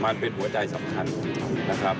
มันเป็นหัวใจสำคัญนะครับ